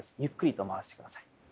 ゆっくりと回してください。